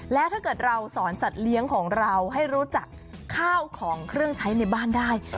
แล้วถ้าเกิดเราสอนสัตว์เลี้ยงของเราให้รู้จักข้าวของเครื่องใช้ในบ้านได้